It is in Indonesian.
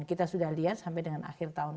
kita sudah lihat sampai dengan akhir tahun